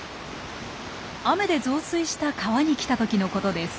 雨で増水した川に来た時のことです。